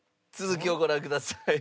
続きをご覧ください。